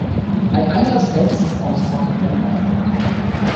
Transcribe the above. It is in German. Ein anderes Feld ist das Austrocknen der Märkte.